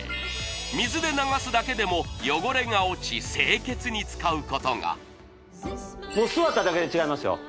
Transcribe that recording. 水で流すだけでも汚れが落ち清潔に使うことがもう座っただけで違いますよ